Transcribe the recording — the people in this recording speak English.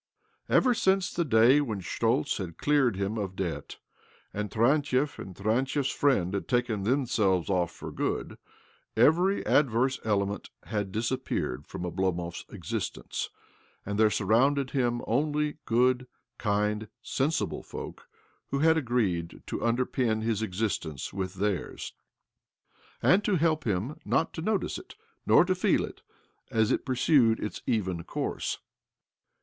Ever sine the day when Schtoltz had cleared him с debt, and Tarantiev and Tarantiev's frien had taken themselves off for good, ever adverse element had disappeared ' froi Oblomov's existence, and there • surrounde him only good, kind, sensible folk who ha agreed to imderpin his existence with theiri and to help him not to notice it, nor to fe< it, as it pursued its even course.